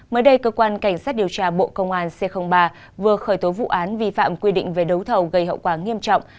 mới đây cơ quan cảnh sát điều tra bộ công an c ba vừa khởi tố vụ án vi phạm quy định về đấu thầu gây hậu quả nghiêm trọng